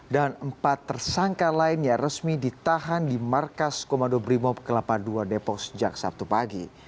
dan empat tersangka lain yang resmi ditahan di markas komodo brimob ke delapan puluh dua depok sejak sabtu pagi